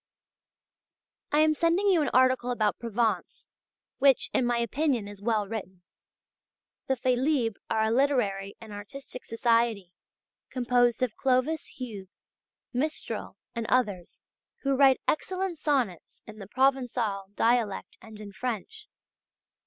I am sending you an article about Provence which, in my opinion is well written. The "Félibres" are a literary and artistic society, composed of Clovis Hugues, Mistral, and others, who write excellent sonnets in the Provençal dialect and in French.